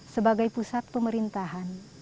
sebagai pusat pemerintahan